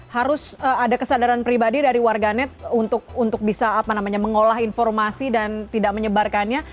harus ada kesadaran pribadi dari warganet untuk bisa mengolah informasi dan tidak menyebarkannya